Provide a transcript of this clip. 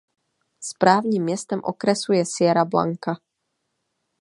Správním městem okresu je Sierra Blanca.